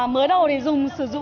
mới đầu thì dùng sử dụng